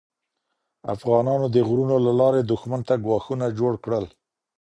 افغانانو د غرونو له لارې دښمن ته ګواښونه جوړ کړل.